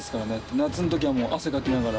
夏の時は汗かきながら。